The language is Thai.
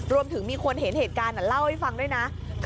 มีคนเห็นเหตุการณ์เล่าให้ฟังด้วยนะ